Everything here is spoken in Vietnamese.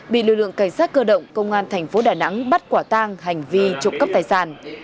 bị lực lượng cảnh sát cơ động công an thành phố đà nẵng bắt quả tang hành vi trộm cắp tài sản